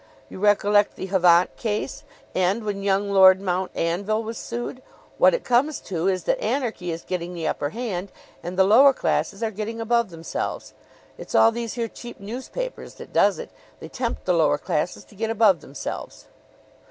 You recollect the Havant case, and when young Lord Mount Anville was sued? What it comes to is that anarchy is getting the upper hand, and the lower classes are getting above themselves. It's all these here cheap newspapers that does it. They tempt the lower classes to get above themselves.